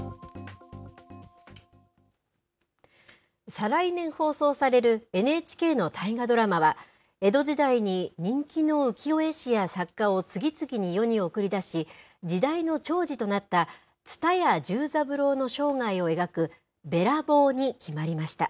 再来年放送されるＮＨＫの大河ドラマは江戸時代に人気の浮世絵師や作家を次々に世に送り出し時代の寵児となった蔦屋重三郎の生涯を描くべらぼうに決まりました。